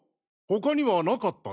他にはなかった。